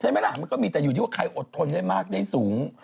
ใช่ไหมล่ะมันก็มีแต่อยู่ที่แจ่งอดทนอย่างมากนี่สูง